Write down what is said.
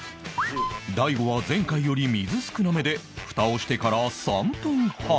大悟は前回より水少なめで蓋をしてから３分半